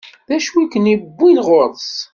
D acu i ken-iwwin ɣur-s?